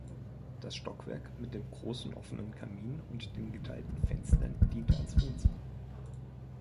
Das Stockwerk mit dem großen offenen Kamin und den geteilten Fenstern diente als Wohnzimmer.